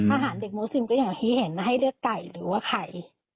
อาหารเด็กมูศิมร์ก็อย่างไอ้เห็นไอ้เดื้อกไก่หรือว่าไข่